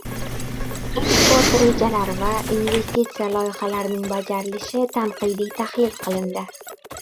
Eksport rejalari va investitsiya loyihalarining bajarilishi tanqidiy tahlil qilindi